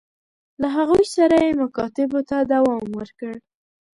له هغوی سره یې مکاتبو ته دوام ورکړ.